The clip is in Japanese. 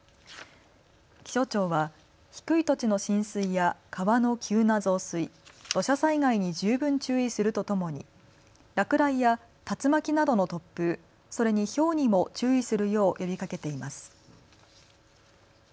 気象庁は低い土地の浸水や川の急な増水、土砂災害に十分注意するとともに落雷や竜巻などの突風、それにひょうにも注意するよう呼びかけています。